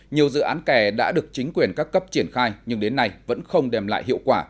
nhiều dự án kè đã được chính quyền các cấp triển khai nhưng đến nay vẫn không đem lại hiệu quả